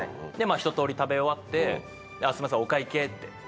ひととおり食べ終わって「すいませんお会計」って。